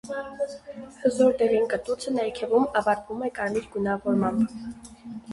Հզոր դեղին կտուցը ներքևում ավարտվում է կարմիր գունավորմամբ։